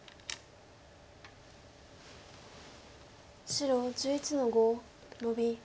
白１１の五ノビ。